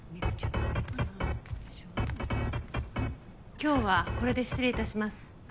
今日はこれで失礼いたします。